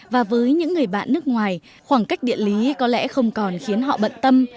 và với những người bạn nước ngoài khoảng cách địa lý có lẽ không còn khiến họ bận tâm